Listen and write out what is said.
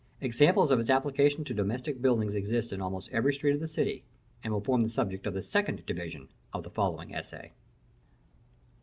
Examples of its application to domestic buildings exist in almost every street of the city, and will form the subject of the second division of the following essay.